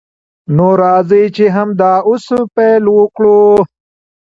نو راځئ چې همدا اوس پیل وکړو.